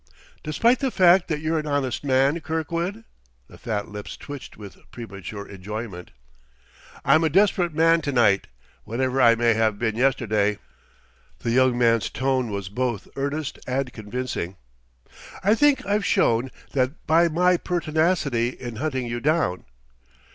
"Despite the fact that you're an honest man, Kirkwood?" The fat lips twitched with premature enjoyment. "I'm a desperate man to night, whatever I may have been yesterday." The young man's tone was both earnest and convincing. "I think I've shown that by my pertinacity in hunting you down."